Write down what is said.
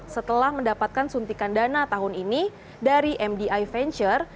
setelah mendapatkan suntikan dana tahun ini dari mdi venture